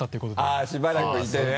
あぁしばらくいてね？